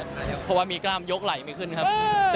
เพราะว่ามีกล้ามยกไหลไม่ขึ้นครับ